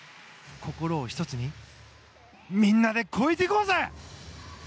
心を１つにみんなで超えていこうぜ！